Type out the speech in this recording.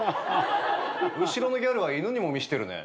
後ろのギャルは犬にも見せてるね。